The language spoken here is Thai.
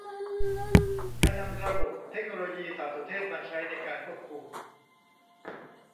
การนำระบบเทคโนโลยีสารสนเทศมาใช้ในการควบคุม